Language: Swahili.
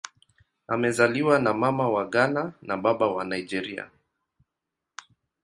Amezaliwa na Mama wa Ghana na Baba wa Nigeria.